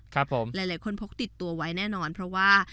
หลายคนปลดตัวไว้แน่นอนเพราะว่า